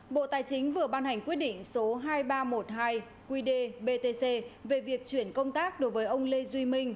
bộ tài chính vừa ban hành quyết định số hai nghìn ba trăm một mươi hai qd btc về việc chuyển công tác đối với ông lê duy minh